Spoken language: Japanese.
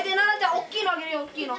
大きいのあげるよ大きいの。